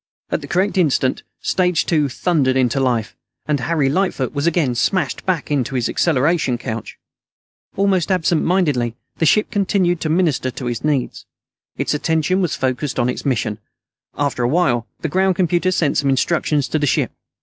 At the correct instant, stage two thundered into life, and Harry Lightfoot was again smashed back into his acceleration couch. Almost absentmindedly, the ship continued to minister to his needs. Its attention was focused on its mission. After a while, the ground computer sent some instructions to the ship.